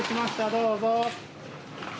どうぞ。